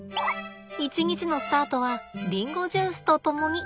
一日のスタートはりんごジュースと共に。